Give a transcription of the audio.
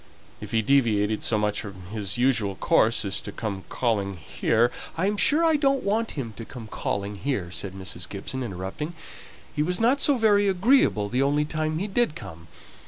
If he deviated so much from his usual course as to come calling here " "I am sure I don't want him to come calling here," said Mrs. Gibson, interrupting. "He was not so very agreeable the only time he did come.